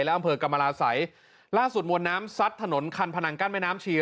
และอำเภอกรรมราศัยล่าสุดมวลน้ำซัดถนนคันพนังกั้นแม่น้ำชี